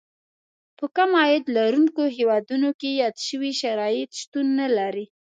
په کم عاید لرونکو هېوادونو کې یاد شوي شرایط شتون نه لري.